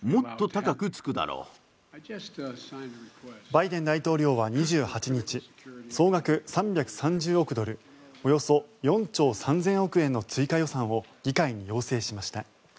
バイデン大統領は２８日総額３３０億ドルおよそ４兆３０００億円の追加予算を議会に要請しました。